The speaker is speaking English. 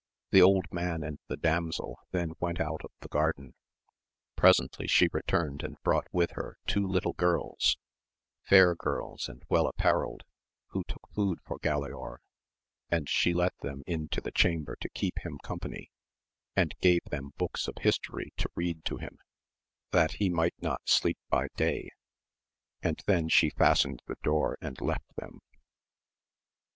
The old man and the damsel then went out of the garden ; presently she returned, and brought with her two little girls, fair girls and well apparelled, who took food for Galaor; and she let them into the chamber to keep him company, and gave them books of history to read to him, that he might not sleep by day, and then she fastened the door and left them.